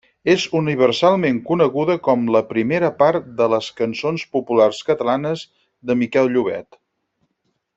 És universalment coneguda com la primera part de les Cançons Populars Catalanes de Miquel Llobet.